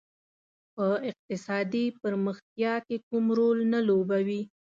په اقتصادي پرمختیا کې کوم رول نه لوبوي.